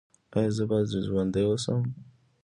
ایا زه باید ژوندی اوسم؟